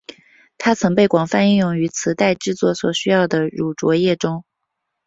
它曾被广泛应用于磁带制作所需的乳浊液中。